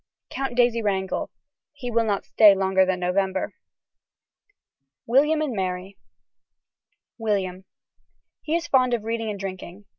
(Count Daisy Wrangel.) He will not stay longer than November. William and Mary. (William.) He is fond of reading and drinking.